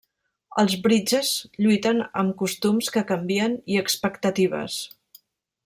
Els Bridges lluiten amb costums que canvien i expectatives.